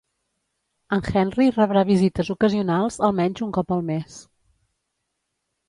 En Henry rebrà visites ocasionals almenys un cop al mes.